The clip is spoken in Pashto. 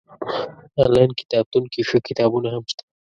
انلاين کتابتون کي ښه کتابونه هم شته